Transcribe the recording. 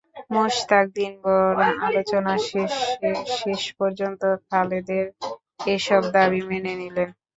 মোশতাক দিনভর আলোচনা শেষে শেষ পর্যন্ত খালেদের এসব দাবি মেনে নিলেন।